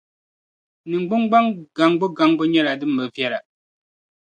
Ningbungbaŋ gaŋbu gaŋbu nyɛla din bi viɛla.